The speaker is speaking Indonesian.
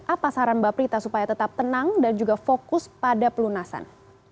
apa saran mbak prita supaya tetap tenang dan juga fokus pada pelunasan